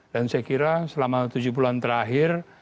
dan saya kira selama tujuh bulan terakhir